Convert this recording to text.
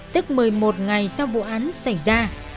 tức một mươi một ngày sau vụ án xảy ra